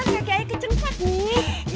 ntar kaki saya kecengkak nih